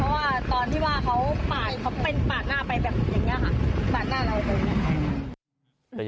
เขาเป็นปาดหน้าไปแบบอย่างเงี้ยค่ะปาดหน้าเรายังแม่ข้าง